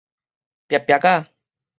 擗擗仔